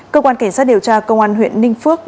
cơ quan cảnh sát điều tra công an huyện ninh phước